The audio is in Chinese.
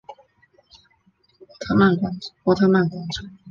波特曼广场。